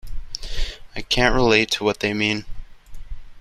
I can't relate to what they mean.